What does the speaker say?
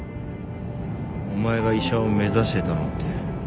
お前が医者を目指してたのって。